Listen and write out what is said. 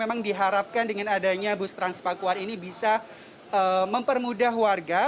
memang diharapkan dengan adanya bus transpakuan ini bisa mempermudah warga